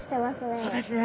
そうですね。